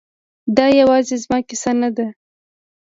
دا یوازې زما کیسه نه ده